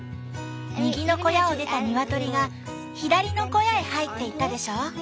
右の小屋を出たニワトリが左の小屋へ入っていったでしょ？